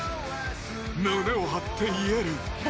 胸を張って言える。